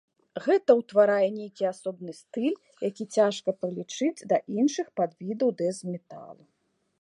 Гэта ўтварае нейкі асобны стыль, які цяжка прылічыць да іншых падвідаў дэз-металу.